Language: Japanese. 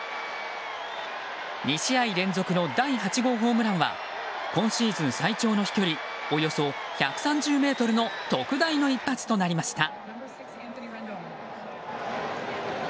２試合連続の第８号ホームランは今シーズン最長の飛距離およそ１３０ｍの特大の一発となりました。